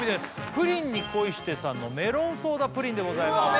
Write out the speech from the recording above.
プリンに恋してさんのメロンソーダプリンでございます・うわ